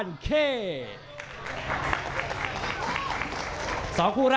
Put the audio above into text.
แล้วกลับมาติดตามกันต่อนะครับ